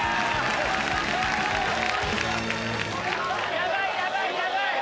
・ヤバいヤバいヤバい！